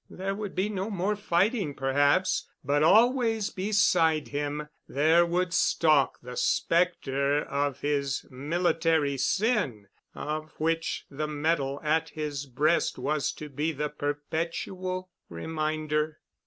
There would be no more fighting perhaps, but always beside him there would stalk the specter of his military sin, of which the medal at his breast was to be the perpetual reminder.